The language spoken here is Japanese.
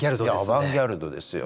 アバンギャルドですよ。